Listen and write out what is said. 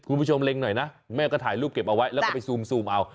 คุณผู้ชมเล็งหน่อยนะแม่ก็ถ่ายรูปเก็บเอาไว้แล้วก็ไปซูมเอา